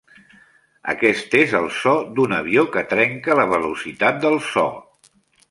Aquest és el so d'un avió que trenca la velocitat del so.